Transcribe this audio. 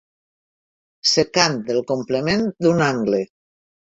Secant del complement d'un angle.